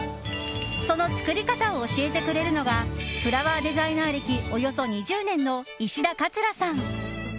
その作り方を教えてくれるのがフラワーデザイナー歴およそ２０年の石田桂さん。